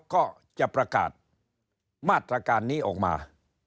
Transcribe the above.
ก็จะประกาศมาตรการนี้ออกมา